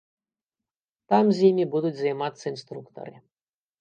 Там з імі будуць займацца інструктары.